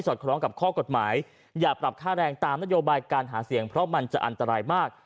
คล้องกับข้อกฎหมายอย่าปรับค่าแรงตามนโยบายการหาเสียงเพราะมันจะอันตรายมาก